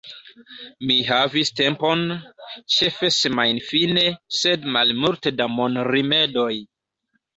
Mi havis tempon, ĉefe semajnfine, sed malmulte da monrimedoj.